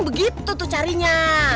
begitu tuh carinya